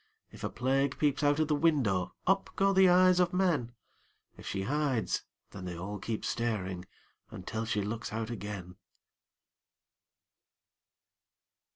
If a Plague peeps out of the window, Up go the eyes of men; If she hides, then they all keep staring Until she looks out again.